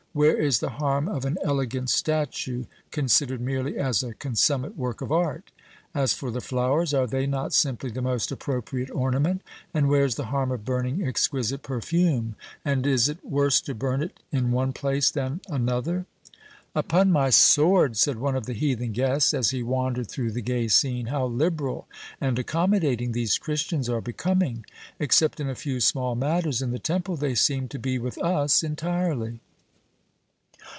Where is the harm of an elegant statue, considered merely as a consummate work of art? As for the flowers, are they not simply the most appropriate ornament? And where is the harm of burning exquisite perfume? And is it worse to burn it in one place than another?" "Upon my sword," said one of the heathen guests, as he wandered through the gay scene, "how liberal and accommodating these Christians are becoming! Except in a few small matters in the temple, they seem to be with us entirely."